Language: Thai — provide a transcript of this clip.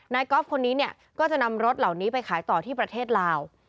กอล์ฟคนนี้เนี่ยก็จะนำรถเหล่านี้ไปขายต่อที่ประเทศลาว